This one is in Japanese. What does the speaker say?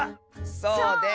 そうです！